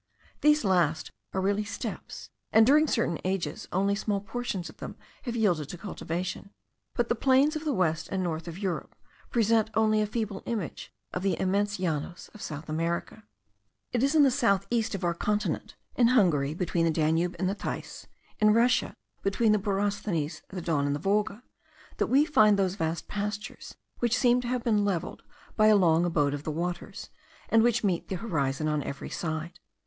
These last are really steppes, and, during several ages, only small portions of them have yielded to cultivation; but the plains of the west and north of Europe present only a feeble image of the immense llanos of South America. It is in the south east of our continent, in Hungary, between the Danube and the Theiss; in Russia, between the Borysthenes, the Don, and the Volga, that we find those vast pastures, which seem to have been levelled by a long abode of the waters, and which meet the horizon on every side.